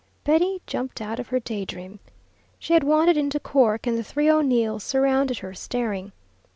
Betty jumped out of her day dream. She had wandered into "Cork" and the three O'Neills surrounded her, staring.